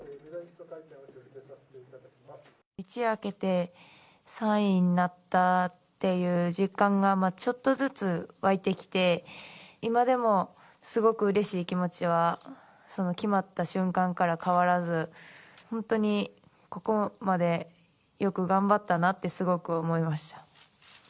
一夜明けて、３位になったっていう実感が、ちょっとずつ湧いてきて、今でもすごくうれしい気持ちは、その決まった瞬間から変わらず、本当に、ここまでよく頑張ったなってすごく思いました。